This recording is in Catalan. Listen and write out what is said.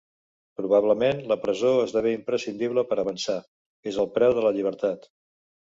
Probablement, la presó esdevé imprescindible per avançar, és el preu de la llibertat.